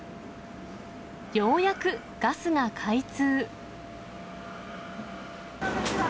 ようやくガスが開通。